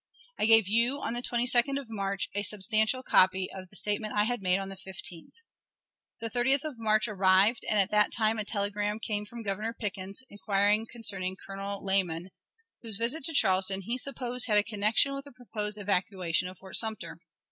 I gave you, on the 22d of March, a substantial copy of the statement I had made on the 15th. The 30th of March arrived, and at that time a telegram came from Governor Pickens, inquiring concerning Colonel Lamon, whose visit to Charleston he supposed had a connection with the proposed evacuation of Fort Sumter.